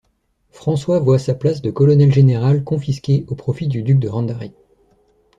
François voit sa place de colonel-général confisquée au profit du duc de Randari.